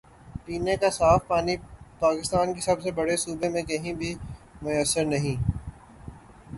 پینے کا صاف پانی پاکستان کے سب سے بڑے صوبے میں کہیں بھی میسر نہیں۔